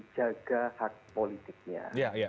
jaga hak politiknya